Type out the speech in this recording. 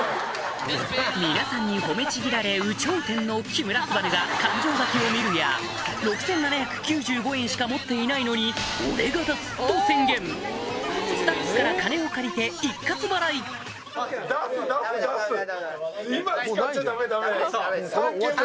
皆さんに褒めちぎられ有頂天の木村昴が勘定書きを見るや６７９５円しか持っていないのにと宣言スタッフから金を借りて一括払いダメですよ